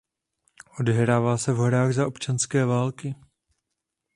Odehrává se v horách za občanské války.